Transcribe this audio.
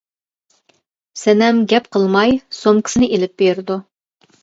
سەنەم گەپ قىلماي سومكىسىنى ئېلىپ بېرىدۇ.